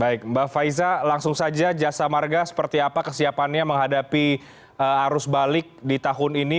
baik mbak faiza langsung saja jasa marga seperti apa kesiapannya menghadapi arus balik di tahun ini